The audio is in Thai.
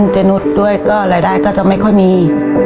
เจนุสรายได้จะไม่ค่อยมี